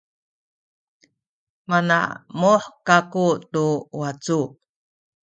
manamuh kaku tu wacu